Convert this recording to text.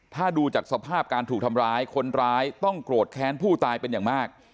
ถ้าดูจากสภาพการถูกทำร้ายคนร้ายต้องโกรธแค้นผู้ตายเป็นอย่างมาก